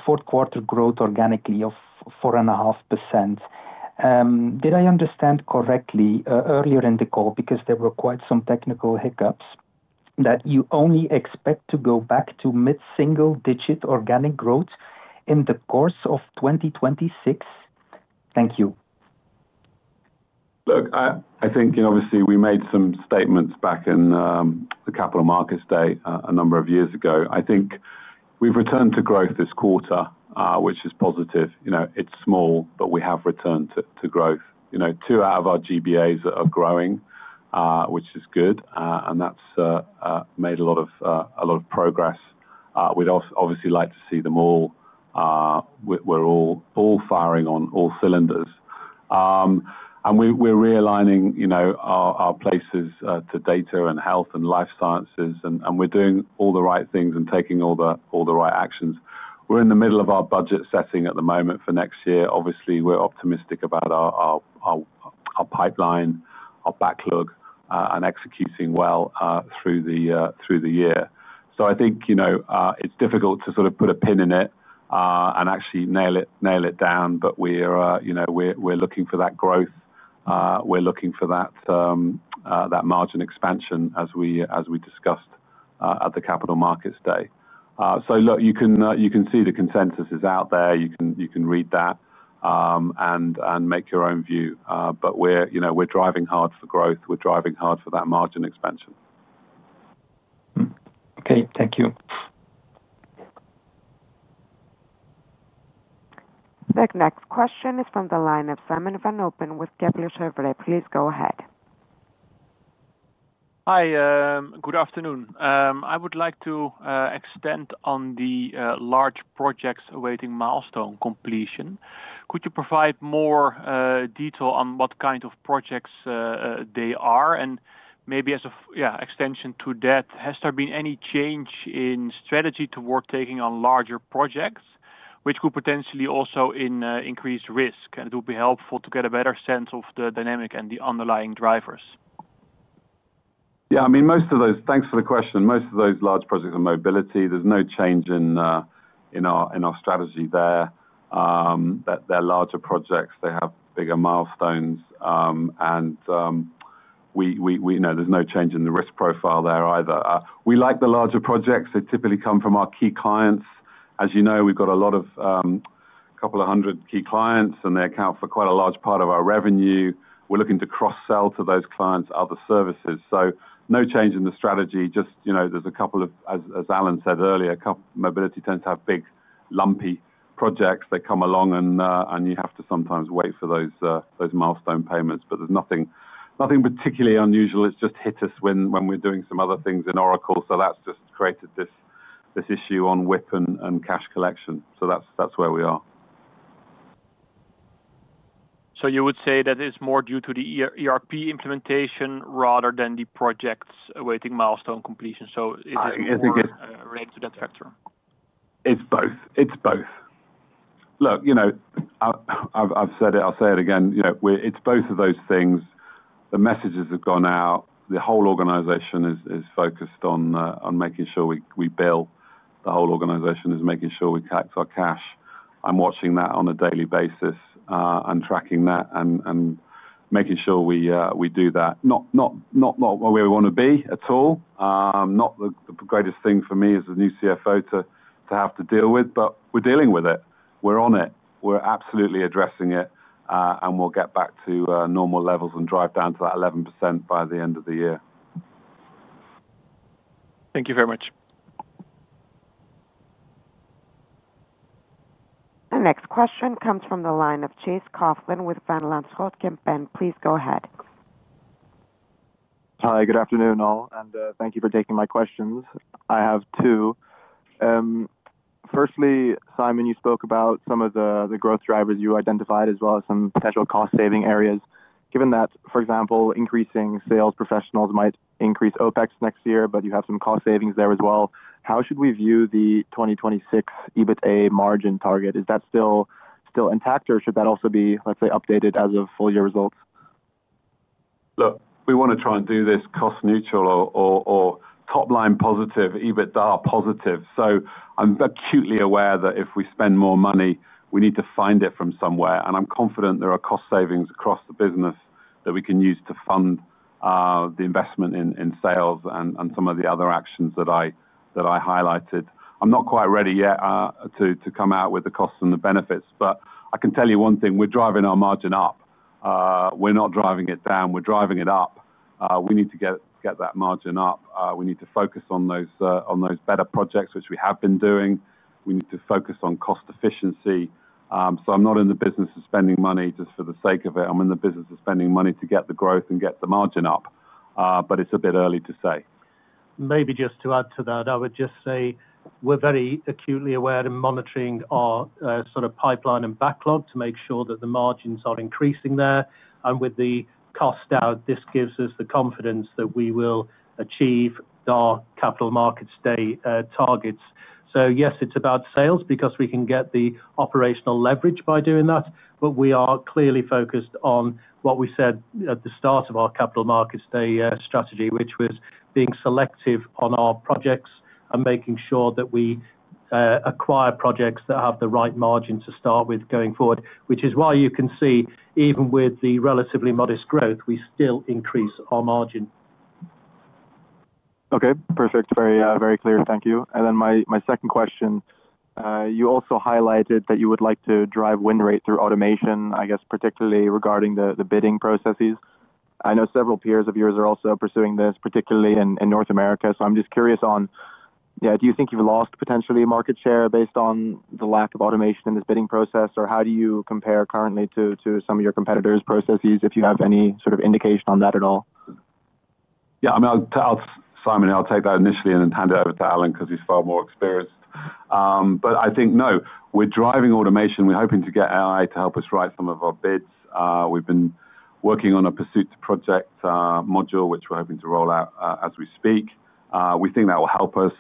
fourth quarter growth organically of 4.5%. Did I understand correctly earlier in the call? Because there were quite some technical hiccups that you only expect to go back to mid single digit organic growth in the course of 2026. Thank you. I think obviously we made some statements back in the capital markets day a number of years ago. I think we've returned to growth this quarter, which is positive. It's small, but we have returned to growth. Two out of our GBAs are growing, which is good and that's made a lot of progress. We'd obviously like to see them all. We're all firing on all cylinders and we're realigning our places to data and health and life sciences and we're doing all the right things and taking all the right actions. We're in the middle of our budget setting at the moment for next year. Obviously we're optimistic about our pipeline, our backlog and executing well through the year. I think it's difficult to sort of put a pin in it and actually nail it down. We are, you know, we're looking for that growth, we're looking for that margin expansion as we discussed at the capital markets day. You can see the consensus is out there. You can read that and make your own view. We're driving hard for growth, driving hard for that margin expansion. Okay, thank you. The next question is from the line of Simon van Oppen with Kepler Cheuvreux. Please go ahead. Hi, good afternoon. I would like to extend on the large projects awaiting milestone completion. Could you provide more detail on what kind of projects they are, and maybe as an extension to that, has there been any change in strategy toward taking on larger projects which could potentially also increase risk? It will be helpful to get a better sense of the dynamic and the underlying drivers. Yeah, I mean, most of those. Thanks for the question. Most of those large projects are mobility. There's no change in our strategy there; they're larger projects, they have bigger milestones, and we know there's no change in the risk profile there either. We like the larger projects, they typically come from our key clients. As you know, we've got a couple of hundred key clients, and they account for quite a large part of our revenue. We're looking to cross-sell to those clients other services. No change in the strategy. Just, you know, as Alan said earlier, mobility tends to have big, lumpy projects that come along, and you have to sometimes wait for those milestone payments. There's nothing particularly unusual. It's just hit us when we're doing some other things in Oracle. That's just created this issue on WIP and cash collection. That's where we are. You would say that it's more due to the ERP implementation rather than the projects awaiting milestone complete, so related to that factor? It's both. It's both. Look, you know, I've said it, I'll say it again. You know, it's both of those things. The messages have gone out. The whole organization is focused on making sure we bill. The whole organization is making sure we collect our cash. I'm watching that on a daily basis, tracking that and making sure we do that. Not where we want to be at all. Not the greatest thing for me as a new CFO to have to deal with, but we're dealing with it, we're on it, we're absolutely addressing it and we'll get back to normal levels and drive down to that 11% by the end of the year. Thank you very much. The next question comes from the line of Chase Coughlan with Van Lanschot Kempen. Please go ahead. Hi, good afternoon all and thank you for taking my questions. I have two. Firstly, Simon, you spoke about some of the growth drivers you identified as well as some potential cost saving areas given that, for example, increasing sales professionals might increase OpEx next year, but you have some cost savings there as well. How should we view the 2026 EBITDA margin target? Is that still intact or should that also be, let's say, updated as of full year results? Look, we want to try and do this cost neutral or top line positive, EBITDA positive. I'm acutely aware that if we spend more money, we need to find it from somewhere. I'm confident there are cost savings across the business that we can use to fund the investment in sales and some of the other actions that I highlighted. I'm not quite ready yet to come out with the costs and the benefits. I can tell you one thing. We're driving our margin up. We're not driving it down, we're driving it up. We need to get that margin up. We need to focus on those better projects which we have been doing. We need to focus on cost efficiency. I'm not in the business of spending money just for the sake of it. I'm in the business of spending money to get the growth and get the margin up. It's a bit early to say. Maybe just to add to that, I would just say we're very acutely aware and monitoring our sort of pipeline and backlog to make sure that the margins are increasing there, and with the cost out, this gives us the confidence that we will achieve our capital markets day targets. Yes, it's about sales because we can get the operational leverage by doing that. We are clearly focused on what we said at the start of our capital markets day strategy, which was being selective on our projects and making sure that we acquire projects that have the right margin to start with going forward, which is why you can see even with the relatively modest growth, we still increase our margin. Okay, perfect. Very, very clear. Thank you. My second question, you also highlighted that you would like to drive win rate through automation, I guess, particularly regarding the bid processes. I know several peers of yours are also pursuing this, particularly in North America. I'm just curious, do you think you've lost potentially market share based on the lack of automation in this bidding process, or how do you compare currently to some of your competitors' processes if you have any sort of indication on that at all? Yeah, I mean, Simon, I'll take that initially and then hand it over to Alan because he's far more experienced. I think we're driving automation. We're hoping to get AI to help us write some of our bids. We've been working on a pursuit to project module which we're hoping to roll out as we speak. We think that will help us.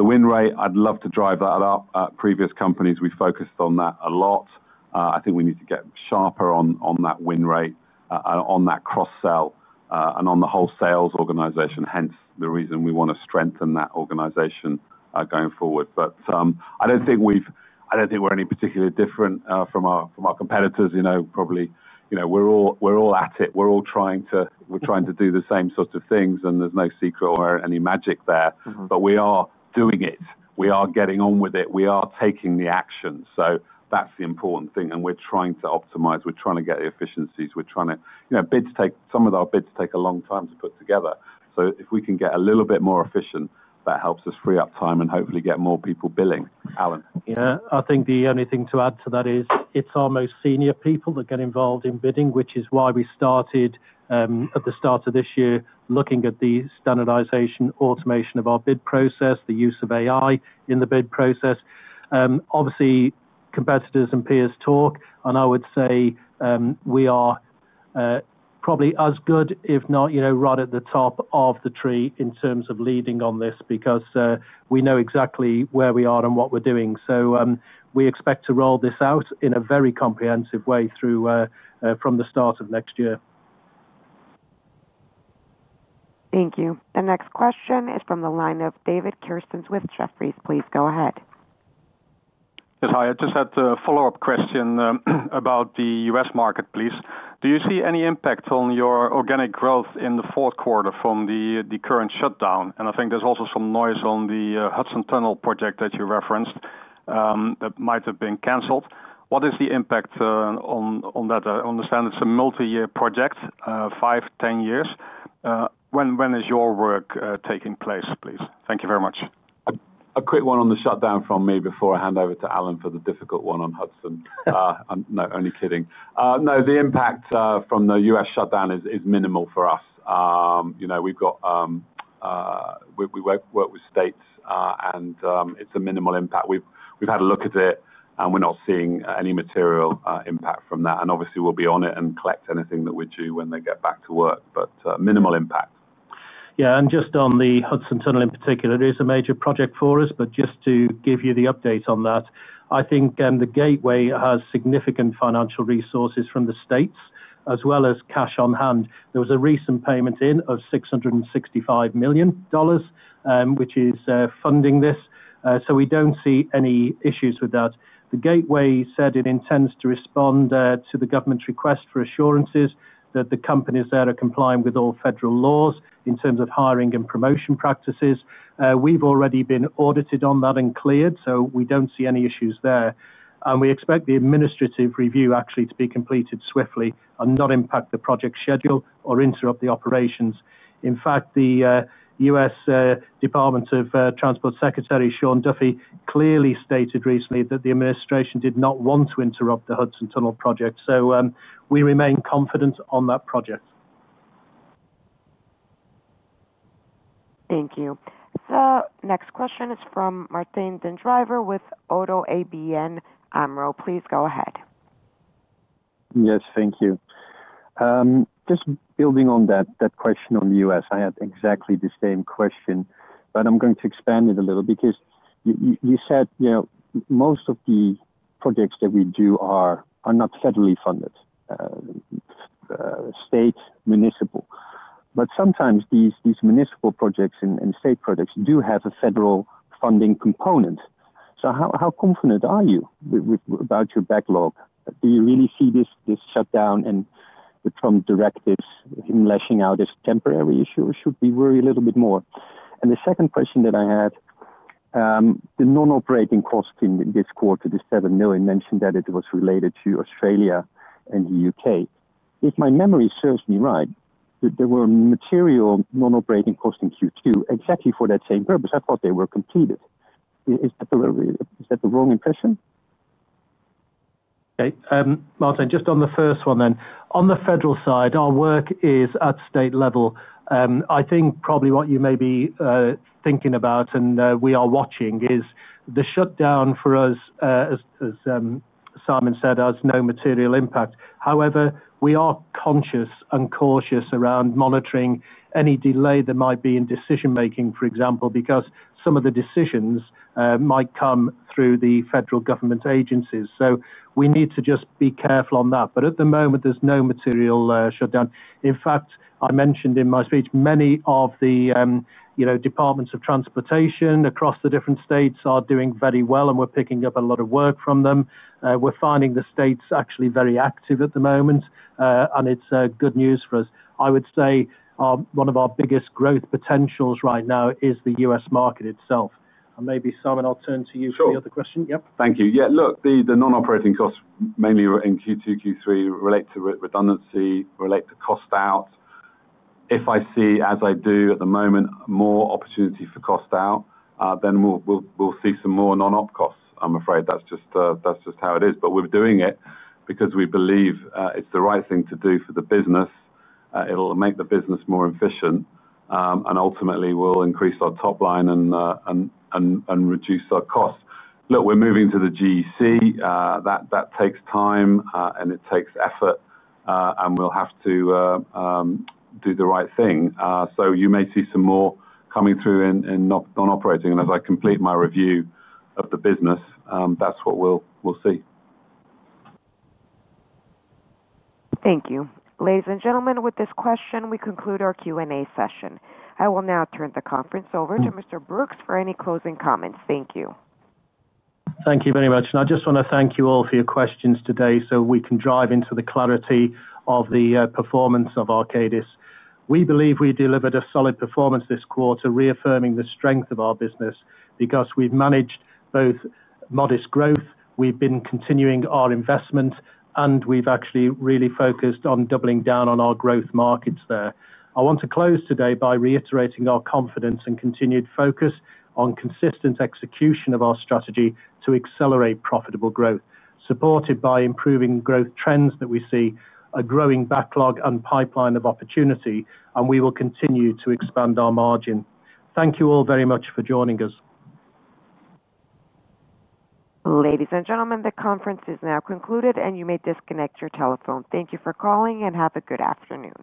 The win rate, I'd love to drive that up. Previous companies, we focused on that a lot. I think we need to get sharper on that win rate, on that cross sell, and on the whole sales organization. That's the reason we want to strengthen that organization going forward. I don't think we're any particularly different from our competitors. You know, probably, you know, we're all at it, we're all trying to do the same sort of things and there's no secret or any magic there, but we are doing it, we are getting on with it, we are taking the action. That's the important thing. We're trying to optimize, we're trying to get the efficiencies, we're trying to, you know, bids take, some of our bids take a long time to put together. If we can get a little bit more efficient, that helps us free up time and hopefully get more people billing. Alan? I think the only thing to add to that is it's our most senior people that get involved in bidding, which is why we started at the start of this year looking at the standardization and automation of our bid process, the use of AI in the bid process. Obviously, competitors and peers talk, and I would say we are probably as good, if not right at the top of the tree in terms of leading on this because we know exactly where we are and what we're doing. We expect to roll this out in a very comprehensive way through from the start of next year. Thank you. The next question is from the line of David Kerstens with Jefferies. Please go ahead. Yes, hi. I just had a follow-up question about the U.S. market, please. Do you see any impact on your organic growth in the fourth quarter from the current shutdown? I think there's also some noise on the Hudson Tunnel project that you referenced that might have been cancelled. What is the impact on that? I understand it's a multi-year project, 5, 10 years. When is your work taking place, please? Thank you very much. A quick one on the shutdown from me before I hand over to Alan for the difficult one on Hudson. No, only kidding. No, the impact from the U.S. shutdown is minimal for us. We work with states and it's a minimal impact. We've had a look at it and we're not seeing any material impact from that. Obviously, we'll be on it and collect anything that we do when they get back to work. Minimal impact. Yeah. Just on the Hudson Tunnel in particular, it is a major project for us. To give you the update on that, I think the Gateway has significant financial resources from the states as well as cash on hand. There was a recent payment in of $665 million, which is funding this. We don't see any issues with that. The Gateway said it intends to respond to the government's request for assurances that the companies are complying with all federal laws in terms of hiring and promotion practices. We've already been audited on that and cleared. We don't see any issues there. We expect the administrative review actually to be completed swiftly and not impact the project schedule or interrupt the operations. In fact, the U.S. Department of Transport Secretary Sean Duffy clearly stated recently that the administration did not want to interrupt the Hudson Tunnel project. We remain confident on that project. Thank you. The next question is from Martijn den Drijver with ODDO ABN AMRO. Please go ahead. Yes, thank you. Just building on that question. On the U.S. I had exactly the same question, but I'm going to expand it a little because you said most of the projects that we do are not federally funded, state, municipal. Sometimes these municipal projects and state projects do have a federal funding component. How confident are you about your backlog? Do you really see this shutdown and the Trump directives, him lashing out, as a temporary issue or should we worry a little bit more? The second question that I had, the non-operating cost in this quarter, the $7 million, you mentioned that it was related to Australia and the U.K. If my memory serves me right, there were material non-operating costs in Q2 exactly for that same purpose. I thought they were completed. Is that the wrong impression? Martin, just on the first one. On the federal side, our work is at state level. I think probably what you may be thinking about and we are watching is the shutdown. For us, as Simon said, it has no material impact. However, we are conscious and cautious around monitoring any delay that might be in decision making, for example, because some of the decisions might come through the federal government agencies. We need to just be careful on that. At the moment there's no material shutdown. In fact, I mentioned in my speech many of the departments of transportation across the different states are doing very well and we're picking up a lot of work from them. We're finding the states actually very active at the moment and it's good news for us. I would say one of our biggest growth potentials right now is the U.S. market itself. Maybe Simon, I'll turn to you for the other question. Thank you. Yeah, look, the non-operating costs, mainly in Q2, Q3, relate to redundancy, relate to cost out. If I see, as I do at the moment, more opportunity for cost out, then we'll see some more non-op costs. I'm afraid that's just how it is. We're doing it because we believe it's the right thing to do for the business. It'll make the business more efficient and ultimately will increase our top line and reduce our cost. We're moving to the Global Excellence Centers. That takes time and it takes effort, and we'll have to do the right thing. You may see some more coming through in non-operating. As I complete my review of the business, that's what we'll see. Thank you. Ladies and gentlemen, with this question, we conclude our Q&A session. I will now turn the conference over to Mr. Brookes for any closing comments. Thank you. Thank you very much. I just want to thank you all for your questions today so we can drive into the clarity of the performance of Arcadis. We believe we delivered a solid performance this quarter, reaffirming the strength of our business because we've managed both modest growth, we've been continuing our investment, and we've actually really focused on doubling down on our growth markets there. I want to close today by reiterating our confidence and continued focus on consistent execution of our strategy to accelerate profitable growth, supported by improving growth trends, that we see a growing backlog and pipeline of opportunity, and we will continue to expand our margin. Thank you all very much for joining us. Ladies and gentlemen, the conference is now concluded. You may disconnect your telephone. Thank you for calling and have a good afternoon.